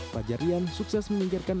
fajar rian sukses meningkirkan